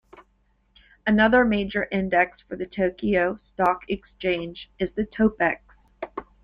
Another major index for the Tokyo Stock Exchange is the Topix.